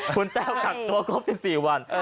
คุณแต้วกักตัวครบ๑๔วัน